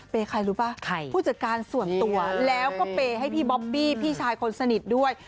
เป็นใครรู้ป่ะผู้จัดการส่วนตัวแล้วก็เปย์ให้พี่บ๊อบบี้พี่ชายคนสนิทด้วย